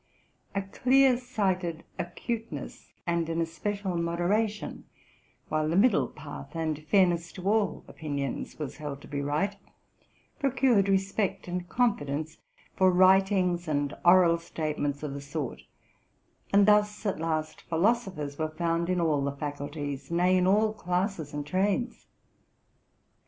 A clear sighted acuteness and an especial moderation, while the middle path and fairness to all opinions was held to be right, procured respect and confidence for writings and oral statements of the sort; and thus at last philosophers were found in all the faculties, — nay, in all classes and trades.